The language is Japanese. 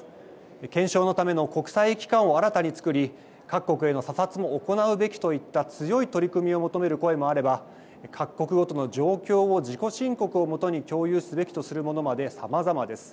検証のための国際機関を新たにつくり各国への査察も行うべきといった強い取り組みを求める声もあれば各国ごとの状況を自己申告をもとに共有すべきとするものまでさまざまです。